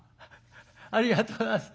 ありがとうございます。